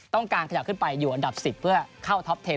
ขยับขึ้นไปอยู่อันดับ๑๐เพื่อเข้าท็อปเทน